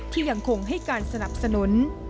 ยังคงให้การสนับสนุน